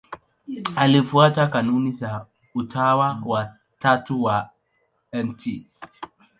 Alifuata kanuni za Utawa wa Tatu wa Mt.